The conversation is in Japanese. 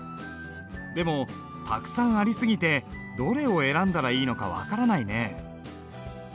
でもたくさんあり過ぎてどれを選んだらいいのか分からないね。